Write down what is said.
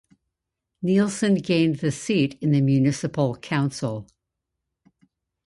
Nielsen gained the seat in the municipal council.